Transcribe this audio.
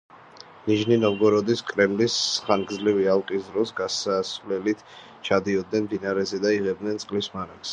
ნიჟნი-ნოვგოროდის კრემლის ხანგრძლივი ალყის დროს გასასვლელით ჩადიოდნენ მდინარეზე და იღებდნენ წყლის მარაგს.